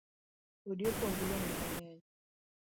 Odi opong gi luangni mangeny